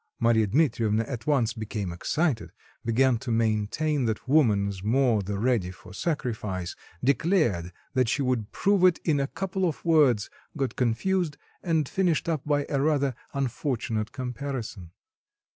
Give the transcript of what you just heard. Marya Dmitrievna at once became excited, began to maintain that woman is more the ready for sacrifice, declared that she would prove it in a couple of words, got confused and finished up by a rather unfortunate comparison.